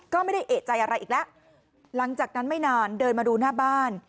ก็ไม่ได้เอกใจอะไรอีกแล้วหลังจากนั้นไม่นานเดินมาดูหน้าบ้าน